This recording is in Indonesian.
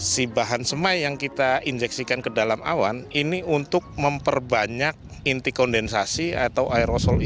si bahan semai yang kita injeksikan ke dalam awan ini untuk memperbanyak inti kondensasi atau aerosol ini